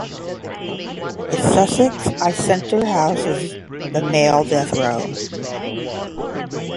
The Sussex I center houses the male death row.